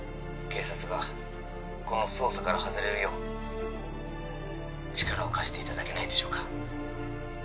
警察がこの捜査から外れるよう力を貸していただけないでしょうか